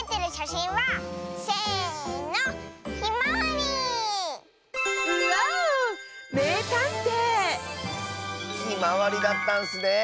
ひまわりだったんスねえ。